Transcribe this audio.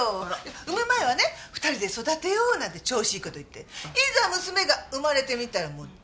産む前はね２人で育てようなんて調子いい事言っていざ娘が生まれてみたらもう全然！